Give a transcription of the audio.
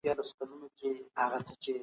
پانګه وال تل د زیاتې ګټې په لټه کي وي.